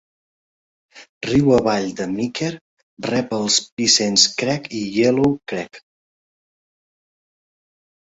Riu avall de Meeker, rep els Piceance Creek i Yellow Creek.